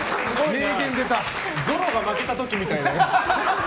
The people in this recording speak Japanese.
ゾロが負けた時みたいな。